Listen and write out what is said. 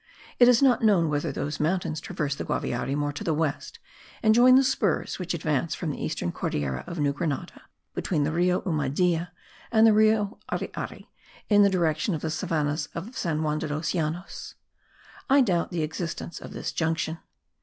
It is not known whether those mountains traverse the Guaviare more to the west, and join the spurs which advance from the eastern Cordillera of New Grenada, between the Rio Umadea and the Rio Ariari, in the direction of the savannahs of San Juan de los Llanos. I doubt the existence of this junction.